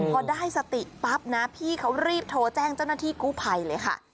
พอได้สติปั๊บนะพี่เขารีบโทรแจ้งเจ้าหน้าที่กู้ภัยเลยค่ะ